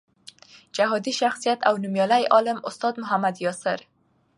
جهادي شخصیت او نومیالی عالم استاد محمد یاسر